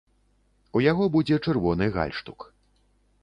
У яго будзе чырвоны гальштук.